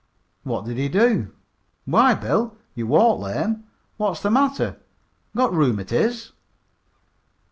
"What did he do? Why, Bill, you walk lame. What's the matter, got rheumatiz?"